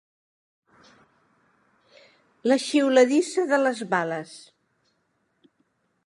La xiuladissa de les bales.